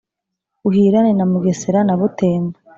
uhirane na mugesera na butembo